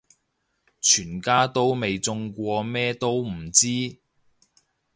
全家都未中過咩都唔知